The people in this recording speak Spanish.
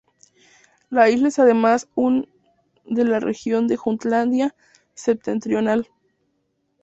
La isla es además un de la región de Jutlandia Septentrional.